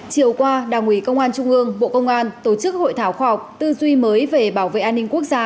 chiều qua đảng ủy công an trung ương bộ công an tổ chức hội thảo khoa học tư duy mới về bảo vệ an ninh quốc gia